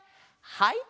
はい。